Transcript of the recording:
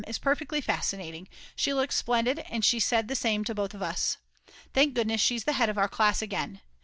is perfectly fascinating, she looks splendid and she said the same to both of us. Thank goodness she's the head of our class again.